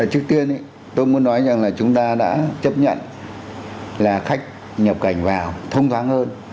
trước tiên tôi muốn nói rằng là chúng ta đã chấp nhận là khách nhập cảnh vào thông thoáng hơn